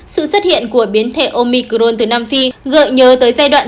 sự xuất hiện của biến thể omicrone từ nam phi gợi nhớ tới giai đoạn